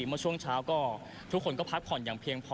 เมื่อช่วงเช้าก็ทุกคนก็พักผ่อนอย่างเพียงพอ